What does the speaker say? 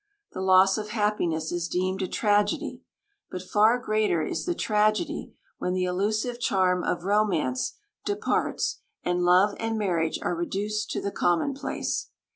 The loss of happiness is deemed a tragedy. But far greater is the tragedy when the illusive charm of romance departs, and love and marriage are reduced to the commonplace.